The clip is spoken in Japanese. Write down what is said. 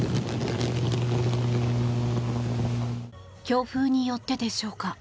強風によってでしょうか。